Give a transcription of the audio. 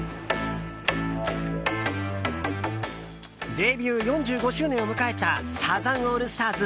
デビュー４５周年を迎えたサザンオールスターズ